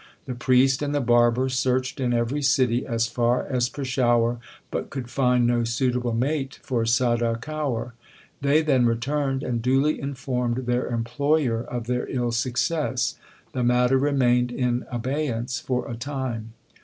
The priest and the barber searched in every city as far as Peshawar, but could find no suitable mate for Sada Kaur. They then returned and duly informed their employer of their ill success. The matter remained in abeyance for a time.